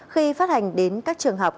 khi phát hành đến các trường học